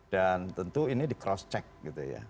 tentu ini di cross check gitu ya